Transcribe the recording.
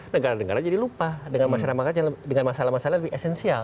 negara negara jadi lupa dengan masalah masalah yang lebih esensial